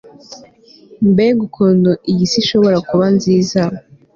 mbega ukuntu iyi si ishobora kuba nziza